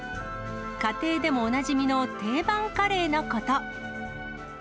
家庭でもおなじみの定番カレーのこと。